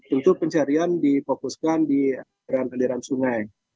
untuk pencarian difokuskan di aliran aliran sungai